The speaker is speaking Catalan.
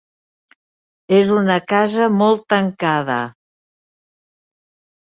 És una casa molt tancada.